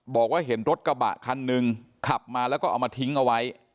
บอกว่าเห็นรถกระบะคันหนึ่งขับมาแล้วก็เอามาทิ้งเอาไว้